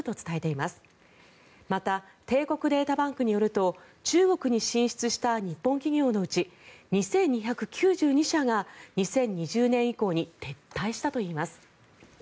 また、帝国データバンクによると中国に進出した日本企業のうち２２９２社が２０２０年以降撤退したといいます。